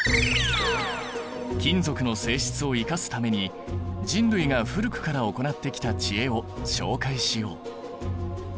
金属の性質を生かすために人類が古くから行ってきた知恵を紹介しよう。